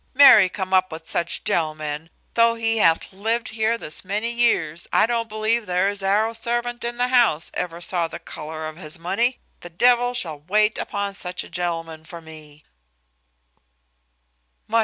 Marry come up with such gentlemen! though he hath lived here this many years, I don't believe there is arrow a servant in the house ever saw the colour of his money. The devil shall wait upon such a gentleman for me."